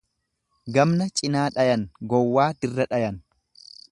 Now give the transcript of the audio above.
Gamna cinaa dhayan gowwaa dirra dhayan.